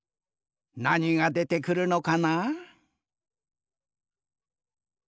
なにがでてくるのかな？